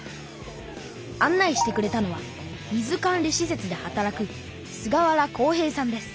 案内してくれたのは水管理しせつで働く菅原幸平さんです。